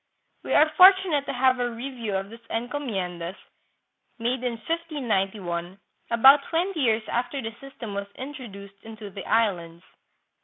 We are fortunate to have a review of these encomien das, made in 1591, about twenty years after the system was introduced into the Islands.